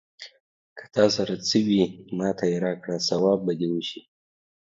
که تا سره څه وي، ماته يې راکړه ثواب به دې وشي.